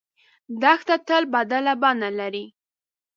دښته تل بدله بڼه لري.